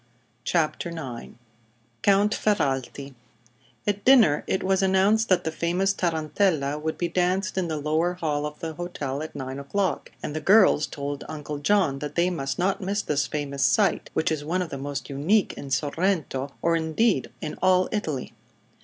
CHAPTER IX COUNT FERRALTI At dinner it was announced that the famous Tarantella would be danced in the lower hall of the hotel at nine o'clock, and the girls told Uncle John that they must not miss this famous sight, which is one of the most unique in Sorrento, or indeed in all Italy.